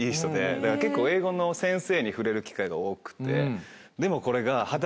だから結構英語の先生に触れる機会が多くて。